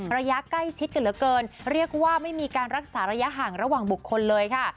ระยะใกล้ชิดกันเหลือเกินเรียกว่าไม่มีการรักษาระยะห่างระหว่างบุคคลเลยค่ะ